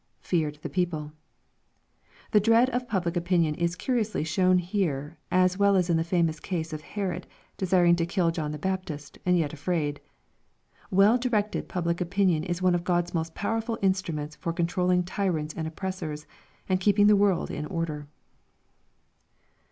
{Feared the people^ The dread of public opinion is curiously shown here, as well as in the famous case of Herod desiring to kill John the Baptist, and yet afraid. Well directed public opin ion is one of Grod's most powerful instruments for controlling ty rants and oppressors, and keeping the world in order.